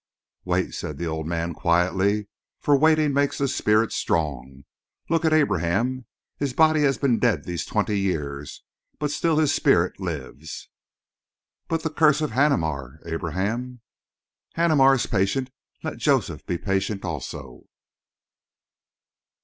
"Wait," said the old man quietly. "For waiting makes the spirit strong. Look at Abraham! His body has been dead these twenty years, but still his spirit lives." "But the curse of Haneemar, Abraham?" "Haneemar is patient. Let Joseph be patient also."